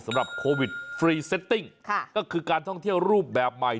สำหรับโควิดฟรีเซตติ้งค่ะก็คือการท่องเที่ยวรูปแบบใหม่